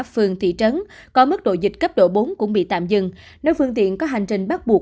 phường thị trấn có mức độ dịch cấp độ bốn cũng bị tạm dừng nếu phương tiện có hành trình bắt buộc